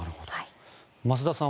増田さん